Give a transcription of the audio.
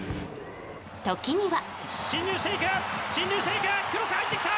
時には。